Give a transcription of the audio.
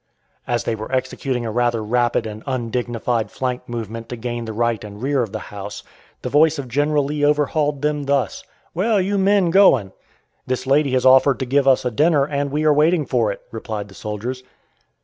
As they were executing a rather rapid and undignified flank movement to gain the right and rear of the house, the voice of General Lee overhauled them, thus: "Where are you men going?" "This lady has offered to give us a dinner, and we are waiting for it," replied the soldiers.